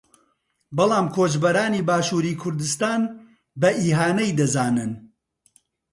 بەڵام کۆچبەرانی باشووری کوردستان بە ئیهانەی دەزانن